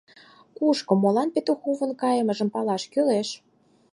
Кушко, молан Петуховын кайымыжым палаш кӱлеш...